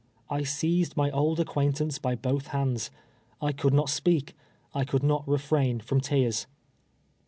I seized my old acquaintance by both luxnds. I could not S2:)eak. I coidd not refrain from tears.